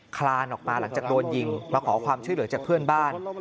คลานออกมาหลังจากโดนยิงมาขอความช่วยเหลือจากเพื่อนบ้าน